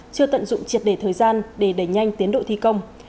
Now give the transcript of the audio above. chưa tận dụng triệt đề thời gian để đẩy nhanh tiến độ thi công